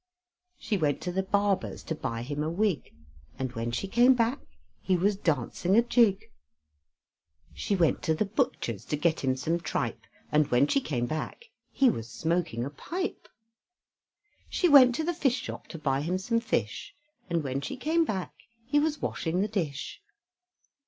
She went to the barber's to buy him a wig, And when she came back he was dancing a jig. She went to the butcher's to get him some tripe, And when she came back he was smoking a pipe. She went to the fish shop to buy him some fish, And when she came back he was washing the dish.